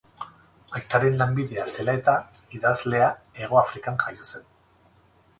Aitaren lanbidea zela-eta, idazlea Hegoafrikan jaio zen.